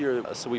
văn hóa này